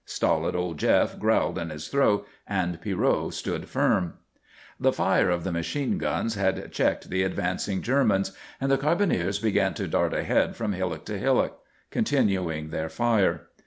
Stolid old Jef growled in his throat and Pierrot stood firm. The fire of the machine guns had checked the advancing Germans, and the carbineers began to dart ahead from hillock to hillock, continuing their fire.